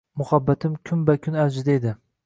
Muhabbatim kun-bakun avjida edi.